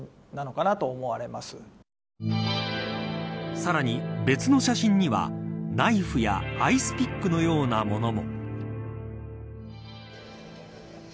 さらに別の写真にはナイフやアイスピックのようなものも。